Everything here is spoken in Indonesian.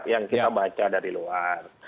pdip itu adalah perempuan yang tidak ada di luar